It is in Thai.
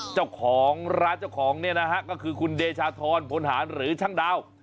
เจ้าของร้านเจ้าของเนี่ยนะฮะก็คือคุณเดชาธรพลหารหรือช่างดาว